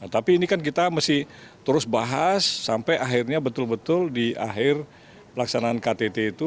tapi ini kan kita mesti terus bahas sampai akhirnya betul betul di akhir pelaksanaan ktt itu